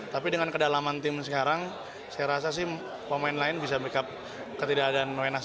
tapi dengan kedalaman tim sekarang saya rasa sih pemain lain bisa make up ketidakadaan wenas